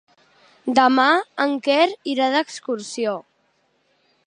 Demà en Quer irà d'excursió.